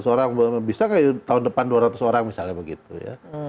seratus orang bisa nggak tahun depan dua ratus orang misalnya begitu ya